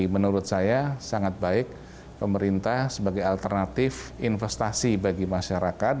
menurut saya sangat baik pemerintah sebagai alternatif investasi bagi masyarakat